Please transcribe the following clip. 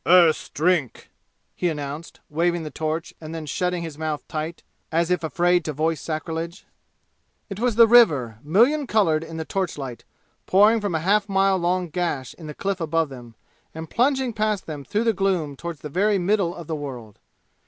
"Earth's Drink!" he announced, waving the torch and then shutting his mouth tight, as if afraid to voice sacrilege. It was the river, million colored in the torch light, pouring from a half mile long slash in the cliff above them and plunging past them through the gloom toward the very middle of the world.